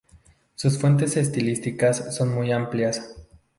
Sus fuentes estilísticas son muy amplias.